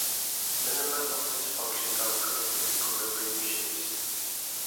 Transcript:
Minima of this function are predicted equilibrium shapes.